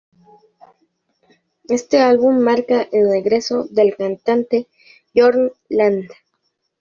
Este álbum marca el regreso del cantante Jorn Lande.